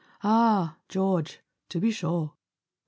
"Ah, George . To be sure.